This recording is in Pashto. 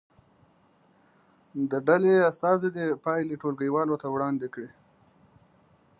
د ډلې استازي دې پایلې ټولګي والو ته وړاندې کړي.